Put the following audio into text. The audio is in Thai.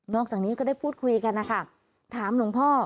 อกจากนี้ก็ได้พูดคุยกันนะคะถามหลวงพ่อ